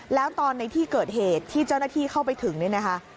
แล้วตอนในที่เกิดเหตุที่เจ้าหน้าที่เข้าไปถึงนี่นะคะ